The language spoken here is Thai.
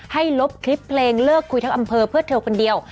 ลบคลิปเพลงเลิกคุยทั้งอำเภอเพื่อเธอคนเดียว